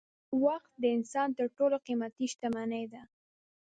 وخت د انسان تر ټولو قېمتي شتمني ده.